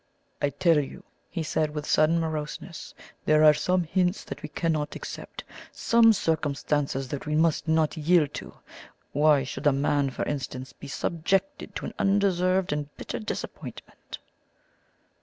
"I tell you," he said, with sudden moroseness, "there are some hints that we cannot accept some circumstances that we must not yield to. Why should a man, for instance, be subjected to an undeserved and bitter disappointment?"